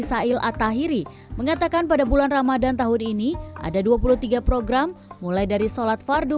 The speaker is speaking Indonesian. sail attahiri mengatakan pada bulan ramadhan tahun ini ada dua puluh tiga program mulai dari sholat fardu